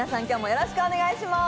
よろしくお願いします